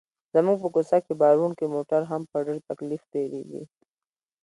زموږ په کوڅه کې باروړونکي موټر هم په ډېر تکلیف تېرېږي.